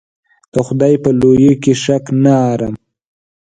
د خدای په لویي کې شک نه ارم.